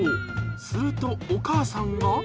すると、お母さんが。